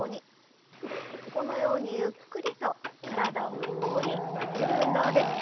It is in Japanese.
このようにゆっくりと体を横に曲げる運動です。